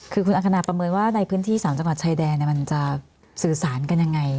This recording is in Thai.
คือคุณอังคณาประเมินว่าในพื้นที่๓จังหวัดชายแดนมันจะสื่อสารกันยังไง